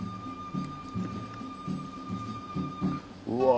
うわ！